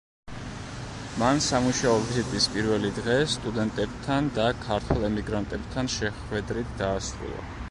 მან სამუშაო ვიზიტის პირველი დღე სტუდენტებთან და ქართველ ემიგრანტებთან შეხვედრით დაასრულა.